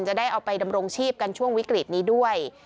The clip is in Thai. จะได้เอาไปดำรงชีพกันช่วงวิกฤตนี้ด้วย